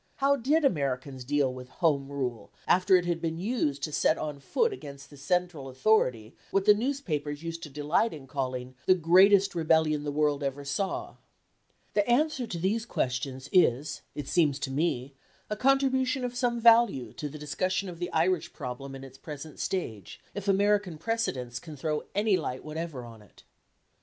How did Americans deal with Home Rule, after it had been used to set on foot against the central authority what the newspapers used to delight in calling "the greatest rebellion the world ever saw"? The answer to these questions is, it seems to me, a contribution of some value to the discussion of the Irish problem in its present stage, if American precedents can throw any light whatever on it.